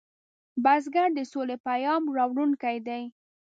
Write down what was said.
بزګر د سولې پیام راوړونکی دی